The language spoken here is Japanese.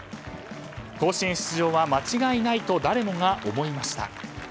甲子園出場は間違いないと誰もが思いました。